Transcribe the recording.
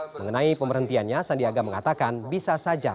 mengenai pemerhentiannya sandiaga mengatakan bisa saja mengajukan curhatan